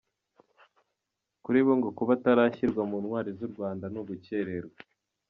Kuri bo ngo kuba atarashyirwa mu Ntwari z’u Rwanda ni ugucyererwa.